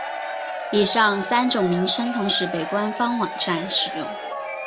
以上三种名称同时被官方网站使用。